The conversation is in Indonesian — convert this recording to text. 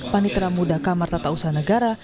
panitra muda kamar tata usaha negara